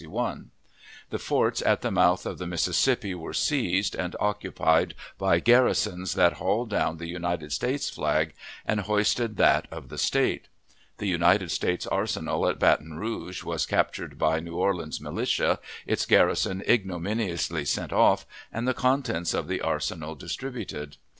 The forts at the mouth of the Mississippi were seized, and occupied by garrisons that hauled down the United States flag and hoisted that of the State. The United States Arsenal at Baton Rouge was captured by New Orleans militia, its garrison ignominiously sent off, and the contents of the arsenal distributed.